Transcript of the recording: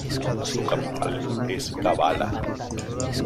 Su capital es Kavala.